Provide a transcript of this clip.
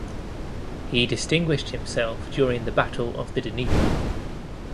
He distinguished himself during the battle of the Dnieper.